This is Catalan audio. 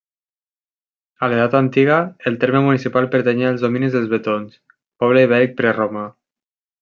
A l'Edat Antiga, el terme municipal pertanyia als dominis dels vetons, poble ibèric preromà.